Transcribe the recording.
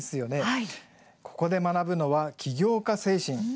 ここで学ぶのは起業家精神。